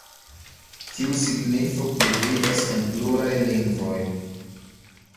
Tiu signifo pluvivas en pluraj lingvoj.